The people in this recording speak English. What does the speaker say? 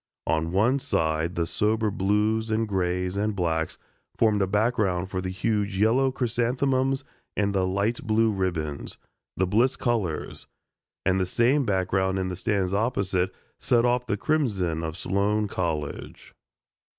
On one side the sober blues and grays and blacks formed a background for huge yellow chrysanthemums and light blue ribbons, the Bliss colors, and the same background in the stands opposite set off the crimson of Sloan College.